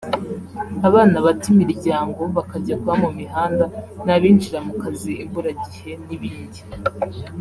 abana bata imiryango bakajya kuba mu mihanda n’abinjira mu kazi imburagihe n’ibindi